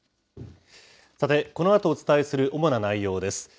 さて、このあとお伝えする主な内容です。